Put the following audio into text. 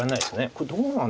これどうなんですか。